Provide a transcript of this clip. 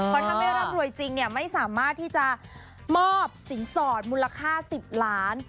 คนที่ไม่ร่ำรวยจริงไม่สามารถที่จะมอบสินสอดมูลค่า๑๐ล้าน